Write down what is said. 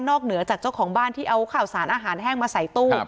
เหนือจากเจ้าของบ้านที่เอาข่าวสารอาหารแห้งมาใส่ตู้